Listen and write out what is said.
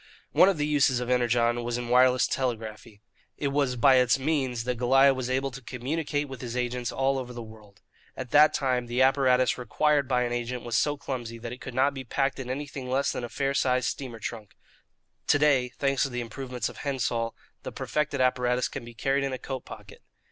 One of the uses of Energon was in wireless telegraphy. It was by its means that Goliah was able to communicate with his agents all over the world. At that time the apparatus required by an agent was so clumsy that it could not be packed in anything less than a fair sized steamer trunk. To day, thanks to the improvements of Hendsoll, the perfected apparatus can be carried in a coat pocket.